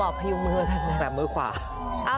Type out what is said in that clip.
แบบมือขวา